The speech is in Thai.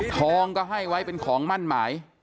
ทองก็ให้ไว้เป็นของมั่นหมาย